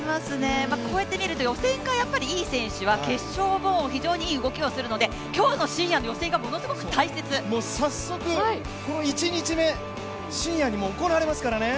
こうやって見ると予選がいい選手は、決勝も非常にいい動きをするので今日深夜の予選が早速１日目、深夜に行われますからね。